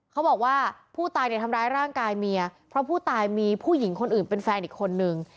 เขาบอกว่าผู้ตายเนี่ยทำร้ายร่างกายเมียเพราะผู้ตายมีผู้หญิงคนอื่นเป็นแฟนอีกคนนึง